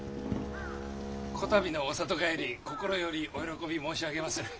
「こたびのお里帰り心よりお喜び申し上げまする」。